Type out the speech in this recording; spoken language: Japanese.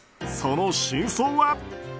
その真相は？